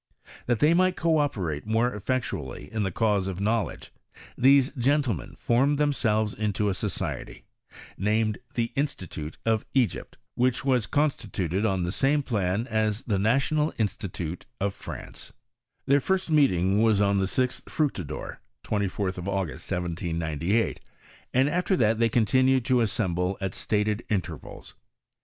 That they might co operate more cfiectually in the cause of knowledge, these gentlemen formed themselves into a society, named " The Institute of Egypt," which was constituted on the same plan as the National Institute of France, Their first meeting was on the 6th Fractidor (34th of August, 1798; and after that they continued to assemble, at stated intervals.